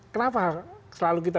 kenapa selalu kita